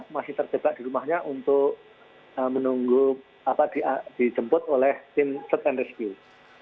masih terjebak di rumahnya untuk menunggu dijemput oleh tim search and rescue